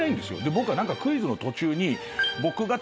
僕が何かクイズの途中に。